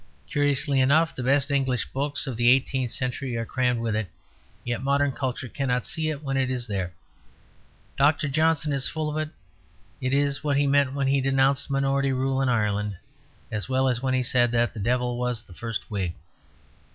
Curiously enough, the best English books of the eighteenth century are crammed with it, yet modern culture cannot see it when it is there. Dr. Johnson is full of it; it is what he meant when he denounced minority rule in Ireland, as well as when he said that the devil was the first Whig.